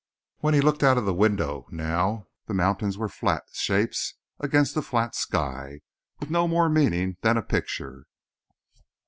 When he looked out the window, now, the mountains were flat shapes against a flat sky, with no more meaning than a picture.